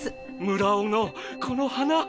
村尾のこの華！